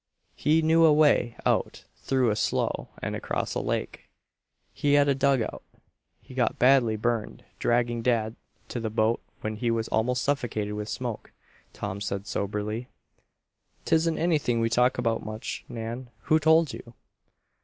He knew a way out through a slough and across a lake. He had a dug out. He got badly burned dragging dad to the boat when he was almost suffocated with smoke," Tom said soberly. "'Tisn't anything we talk about much, Nan. Who told you?"